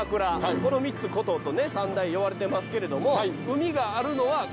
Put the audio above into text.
この３つ古都とねいわれてますけれども。